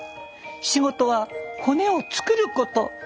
仕事は骨を作ること。